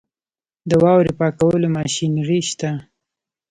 د واورې پاکولو ماشینري شته؟